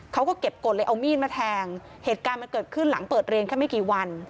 เขาก็เก็บกฎเลยเอามีดมาแทงเหตุการณ์มันเกิดขึ้นหลังเปิดเรียนแค่ไม่กี่วัน